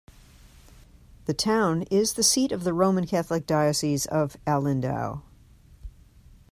The town is the seat of the Roman Catholic Diocese of Alindao.